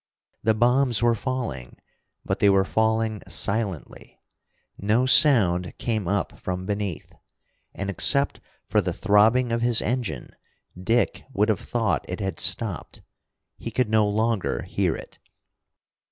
_ The bombs were falling, but they were falling silently. No sound came up from beneath. And, except for the throbbing of his engine, Dick would have thought it had stopped. He could no longer hear it.